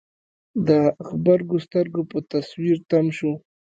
د غبرګو سترګو په تصوير تم شو.